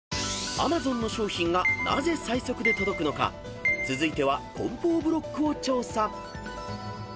［Ａｍａｚｏｎの商品がなぜ最速で届くのか続いては梱包ブロックを調査］